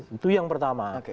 itu yang pertama